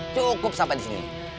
cukup sampai di sini